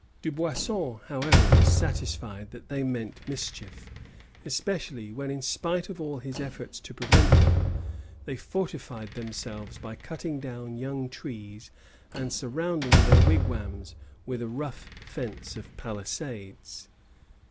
Dubuisson, however, was satisfied that they meant mischief, especially when, in spite of all his efforts to prevent them, they fortified themselves by cutting down young trees and surrounding their wigwams with a rough fence of palisades.